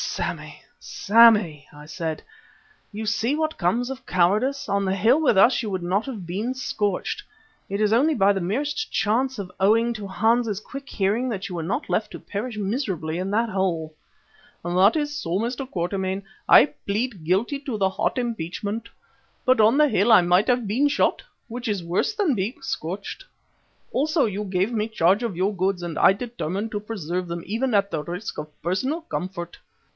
Sammy, Sammy," I said, "you see what comes of cowardice? On the hill with us you would not have been scorched, and it is only by the merest chance of owing to Hans's quick hearing that you were not left to perish miserably in that hole." "That is so, Mr. Quatermain. I plead guilty to the hot impeachment. But on the hill I might have been shot, which is worse than being scorched. Also you gave me charge of your goods and I determined to preserve them even at the risk of personal comfort.